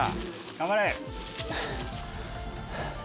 「頑張れ！」